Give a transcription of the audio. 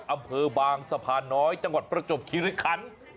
อำเภอบางสะพานน้อยจังหวัดประจบคิริคัน